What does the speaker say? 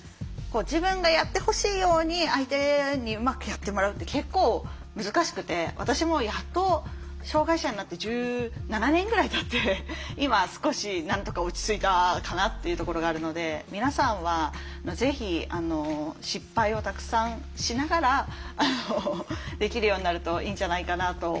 自分がやってほしいように相手にうまくやってもらうって結構難しくて私もやっと障害者になって１７年ぐらいたって今少しなんとか落ち着いたかなっていうところがあるのでみなさんはぜひ失敗をたくさんしながらできるようになるといいんじゃないかなと思います。